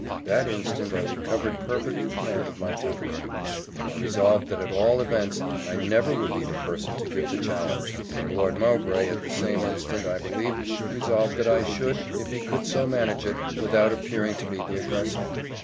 That instant I recovered perfect command of temper I resolved that at all events I never would be the person to give the challenge, and Lord Mowbray, at the same instant, I believe, resolved that I should, if he could so manage it without appearing to be the aggressor.